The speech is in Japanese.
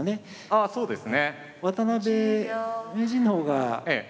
ああそうですね。